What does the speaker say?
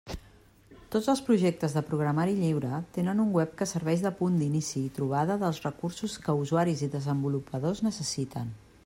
Tots els projectes de programari lliure tenen un web que serveix de punt d'inici i trobada dels recursos que usuaris i desenvolupadors necessiten.